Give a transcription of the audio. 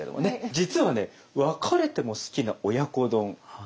実はね「別れても好きな親子丼」あるんですよ。